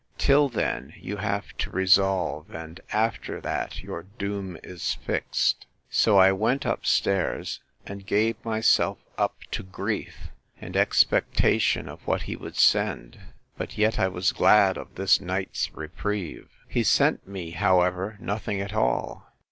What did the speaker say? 'Till then you have to resolve: and after that your doom is fixed.—So I went up stairs, and gave myself up to grief, and expectation of what he would send: but yet I was glad of this night's reprieve! He sent me, however, nothing at all.